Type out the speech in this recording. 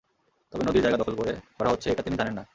তবে নদীর জায়গা দখল করে করা হচ্ছে, এটা তিনি জানেন না।